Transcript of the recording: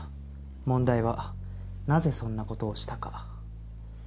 問題はなぜそんな事をしたか。